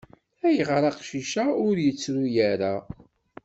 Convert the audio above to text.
-Ayɣer aqcic-a ur yettru ara.